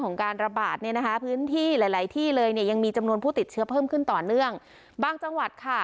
หลายหลายที่เลยเนี่ยยังมีจำนวนผู้ติดเชื้อเพิ่มขึ้นต่อเนื่องบางจังหวัดค่ะ